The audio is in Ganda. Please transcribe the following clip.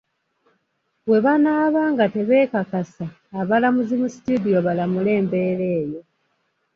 We banaabanga tebeekakasa abalamuzi mu "studio" balamule embeera eyo.